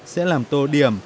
sẽ làm tô điểm